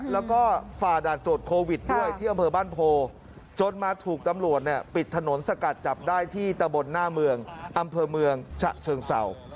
แล้วก็ฝ่าด่านตรวจโควิดด้วยที่อำเภอบ้านโพจนมาถูกตำรวจเนี่ยปิดถนนสกัดจับได้ที่ตะบนหน้าเมืองอำเภอเมืองฉะเชิงเศร้า